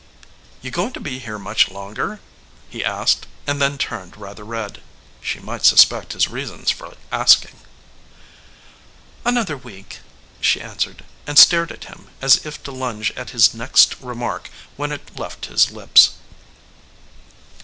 "You going to be here much longer?" he asked and then turned rather red. She might suspect his reasons for asking. "Another week," she answered, and stared at him as if to lunge at his next remark when it left his lips.